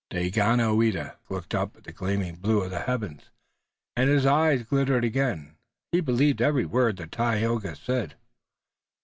Daganoweda looked up at the gleaming blue of the heavens, and his eyes glittered again. He believed every word that Tayoga said.